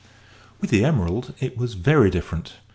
With the Emerald it was very different.